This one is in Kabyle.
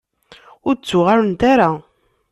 Ur d-ttuɣalent ara.